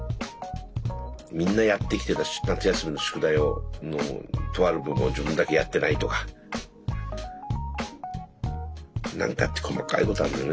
みんなやってきてた夏休みの宿題のとある部分を自分だけやってないとか何かって細かいことあるんだよね。